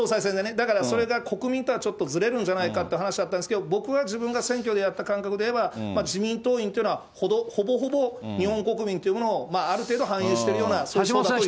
だからそれが国民とはちょっとずれるんじゃないかっていう話し合ったんですけど、僕は自分で選挙でやった感覚でいえば、自民党員っていうのはほぼほぼ日本国民というものをある程度、反映しているような、そういうふうに思ってます。